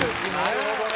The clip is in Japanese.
なるほどね。